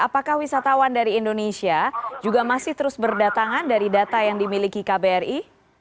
apakah wisatawan dari indonesia juga masih terus berdatangan dari data yang dimiliki kbri